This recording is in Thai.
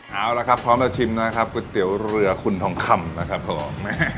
เอาละครับพร้อมจะชิมนะครับก๋วยเตี๋ยวเรือคุณทองคำนะครับผม